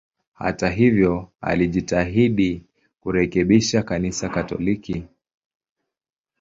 Hata hivyo, alijitahidi kurekebisha Kanisa Katoliki.